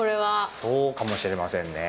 そうかもしれませんね。